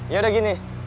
ya udah gini